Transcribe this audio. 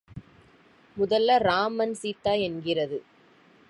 முதல்ல, ராம் அண்ட் சீதா என்கிறது.